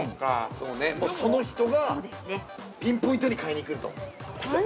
◆その人がピンポイントに買いに来ると。